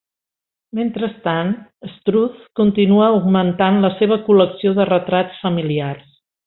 Mentrestant, Struth continua augmentant la seva col·lecció de retrats familiars.